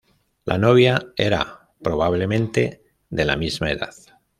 La novia era probablemente de la misma edad.